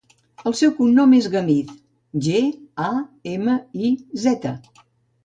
El seu cognom és Gamiz: ge, a, ema, i, zeta.